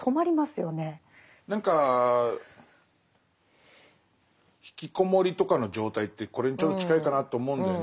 何か引きこもりとかの状態ってこれにちょっと近いかなと思うんだよね。